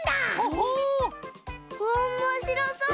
おもしろそう！